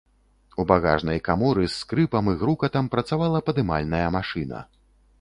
У багажнай каморы з скрыпам і грукатам працавала падымальная машына.